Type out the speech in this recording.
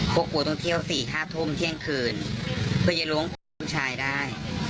พวกกูต้องเที่ยวสี่ห้าทุ่มเที่ยงคืนเพื่อยังล้วงผู้ชายได้